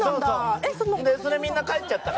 それみんな帰っちゃったから。